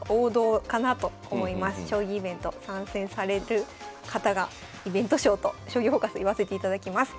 将棋イベント参戦される方がイベント将と「将棋フォーカス」言わせていただきます。